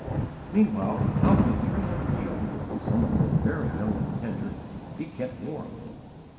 Meanwhile how could three hundred children, some of them very young and tender, be kept warm?